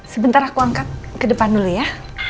sebentar aku angkat ke depan dulu ya